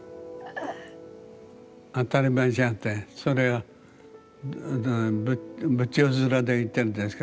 「当たり前じゃん」ってそれは仏頂面で言ってるんですか？